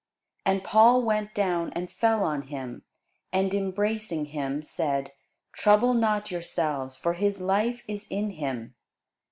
And Paul went down, and fell on him, and embracing him said, Trouble not yourselves; for his life is in him.